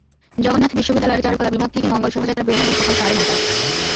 জগন্নাথ বিশ্ববিদ্যালয়ের চারুকলা বিভাগ থেকে মঙ্গল শোভাযাত্রা বের হবে সকাল সাড়ে নয়টায়।